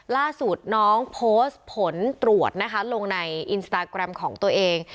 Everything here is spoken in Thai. ล่าสุดน้องโพสต์ผลตรวจนะคะลงในอินสตาแกรมของตัวเอง